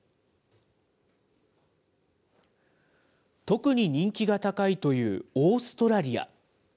特に人気が高いというオーストラリア。